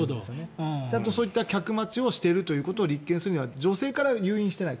そういった客待ちをしていることを立件するには女性から誘引していない。